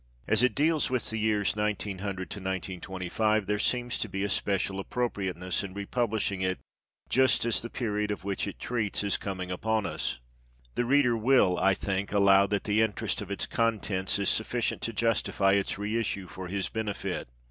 As it deals with the years 1900 1925, there seems to be a special appropriateness in republishing it just as the period of which it treats is coming upon us. The reader will, I think, allow that the interest of its contents is sufficient to justify its reissue for his benefit.